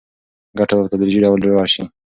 ګټه به په تدریجي ډول لوړه شي.